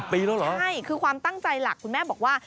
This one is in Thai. ใช่คือความตั้งใจหลักคุณแม่บอกว่า